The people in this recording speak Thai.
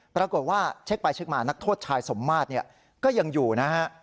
ปรากฏว่าเช็คไปเช็คมานักโทษชายสมมาตรก็ยังอยู่นะฮะ